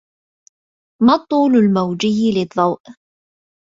ما الطول الموجي للضوء؟